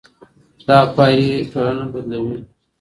دا پايلې ټولنه بدلوي.